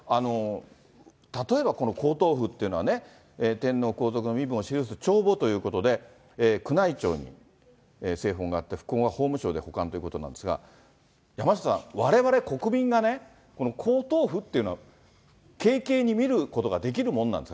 例えばこの皇統譜っていうのはね、天皇、皇族の身分を記す帳簿ということで、宮内庁に正本があって、副本を法務省で保管ということなんですが、山下さん、われわれ国民がね、この皇統譜っていうのは、軽々に見ることができるもんなんですか？